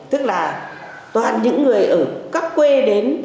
tức là toàn những người ở các quê đến